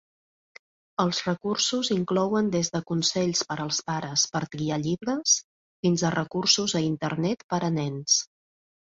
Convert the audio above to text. Els recursos inclouen des de consells per als pares per triar llibres fins a recursos a Internet per a nens.